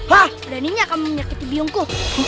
beraninya kamu menyakiti biungku